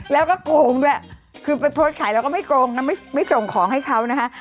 แล้วก็โกงด้วยคือไปโพสต์ขายแล้วก็ไม่โกงนะไม่ส่งของให้เขานะคะ